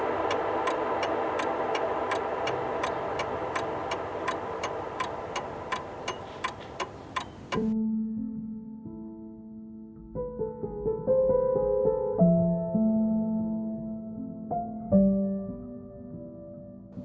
แต่มากกว่าว่าจะแบ่งเริ่มเที่ยว